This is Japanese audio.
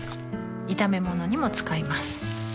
炒め物にも使います